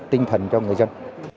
tinh thần cho người dân